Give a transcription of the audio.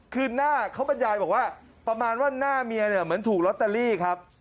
คือข้อบันยายว่าประมาณว่าหน้าเมียมันเหมือนถูกรอตตาลีครับ